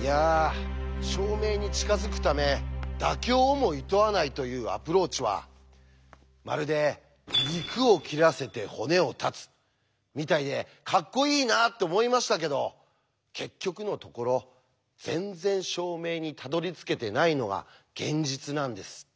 いや証明に近づくため妥協をもいとわないというアプローチはまるで「肉を切らせて骨を断つ」みたいでカッコいいなって思いましたけど結局のところ全然証明にたどりつけてないのが現実なんです。